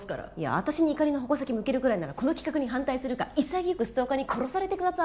私に怒りの矛先向けるぐらいならこの企画に反対するか潔くストーカーに殺されてください。